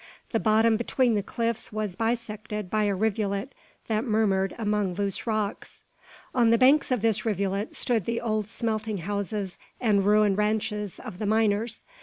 The bottom between the cliffs was bisected by a rivulet that murmured among loose rocks. On the banks of this rivulet stood the old smelting houses and ruined ranches of the miners.